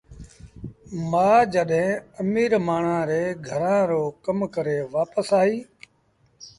مآ جڏهيݩ اميٚر مآڻهآݩ ري گھرآݩ رو ڪم ڪري وآپس آئيٚ